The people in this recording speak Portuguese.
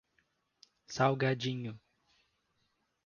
Salgadinho